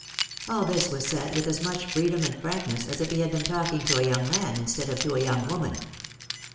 All this was said with as much freedom and frankness as if he had been talking to a young man instead of to a young woman.